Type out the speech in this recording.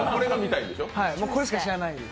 これしか知らないです。